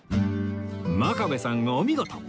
真壁さんお見事